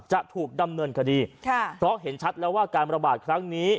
จะถูกดำเนินคดีค่ะเพราะเห็นชัดแล้วว่าการระบาดครั้งนี้